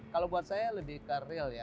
kalau buat saya lebih ke real ya